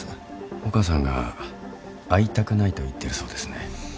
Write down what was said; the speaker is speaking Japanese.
お母さんが会いたくないと言ってるそうですね。